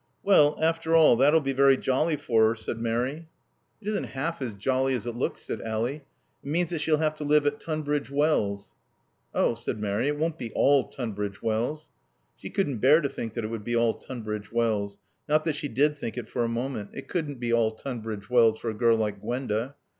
"Well, after all, that'll be very jolly for her," said Mary. "It isn't half as jolly as it looks," said Ally. "It means that she'll have to live at Tunbridge Wells." "Oh," said Mary, "it won't be all Tunbridge Wells." She couldn't bear to think that it would be all Tunbridge Wells. Not that she did think it for a moment. It couldn't be all Tunbridge Wells for a girl like Gwenda.